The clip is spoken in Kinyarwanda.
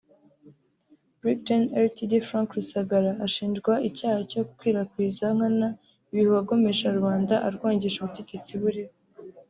Brig Gen (Rtd) Frank Rusagara ashinjwa icyaha cyo gukwirakwiza nkana ibihuha agomesha rubanda arwangisha ubutegetsi buriho